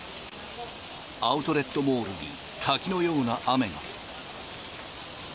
アウトレットモールに滝のような雨が。